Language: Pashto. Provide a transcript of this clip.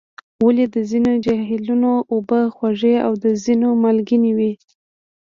ولې د ځینو جهیلونو اوبه خوږې او د ځینو مالګینې وي؟